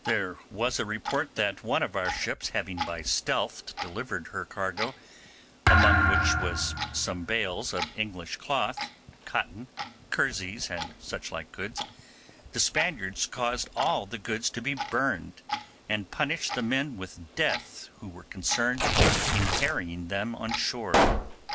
There was a report that one of our ships having by stealth delivered her cargo, among which was some bales of English cloth, cotton, kerseys, and such like goods, the Spaniards caused all the goods to be burned, and punished the men with death who were concerned in carrying them on shore.